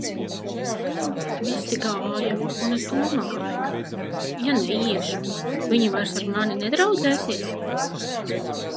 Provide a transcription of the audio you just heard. Visi gāja, un es domāju: ja neiešu, viņi vairs ar mani nedraudzēsies.